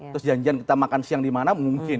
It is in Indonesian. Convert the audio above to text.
terus janjian kita makan siang dimana mungkin